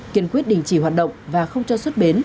kiên quyết đình chỉ hoạt động và không cho xuất bến